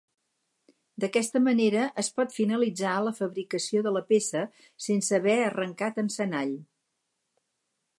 D'aquesta manera, es pot finalitzar la fabricació de la peça sense haver arrancat encenall.